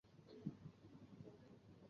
空气中液态或固态的水不算在湿度中。